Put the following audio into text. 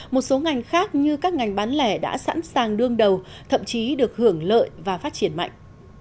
một số ngành khác như các ngành bán lẻ đã sẵn sàng đương đầu thậm chí được hưởng lợi và phát triển mạnh